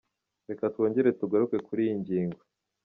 Reka twongere tugaruke kuri iyi ngingo.